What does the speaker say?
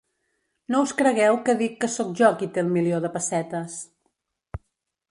No us cregueu que dic que sóc jo qui té el milió de pessetes.